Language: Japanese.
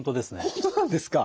本当なんですか。